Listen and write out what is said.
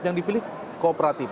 yang dipilih kooperatif